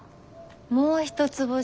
もう一つ星。